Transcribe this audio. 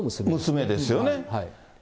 娘ですよね。